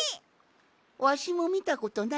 わしもみたことないんじゃ。